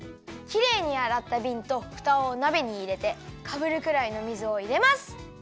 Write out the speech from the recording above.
きれいにあらったびんとふたをなべにいれてかぶるくらいの水をいれます。